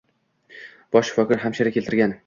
Bosh shifokor hamshira keltirgan